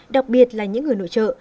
đặc biệt là những người nội trợ